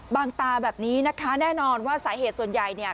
ตาแบบนี้นะคะแน่นอนว่าสาเหตุส่วนใหญ่เนี่ย